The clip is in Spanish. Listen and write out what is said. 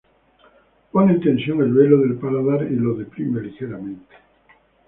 Pone en tensión el velo del paladar y lo deprime ligeramente.